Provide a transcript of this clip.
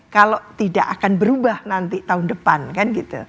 kalau tidak akan berubah nanti tahun depan kan gitu